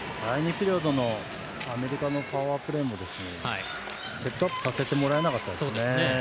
第２ピリオドのアメリカのパワープレーもセットアップをさせてもらえなかったですね。